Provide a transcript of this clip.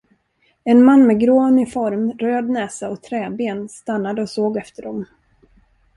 En man med grå uniform, röd näsa och träben stannade och såg efter dem.